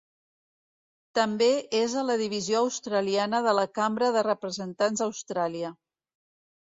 També és a la divisió australiana de la Cambra de Representants d'Austràlia.